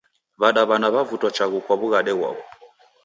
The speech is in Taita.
W'adaw'ana w'evutwa chaghu kwa wughade ghw'o